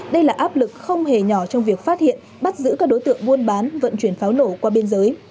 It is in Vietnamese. đây là áp lực không hề nhỏ trong việc phát hiện bắt giữ các đối tượng buôn bán vận chuyển pháo nổ qua biên giới